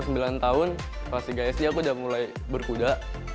sembilan tahun kelas tiga sd aku udah mulai berkuda